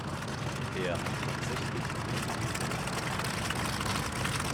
Er hat tatsächlich nicht unrecht.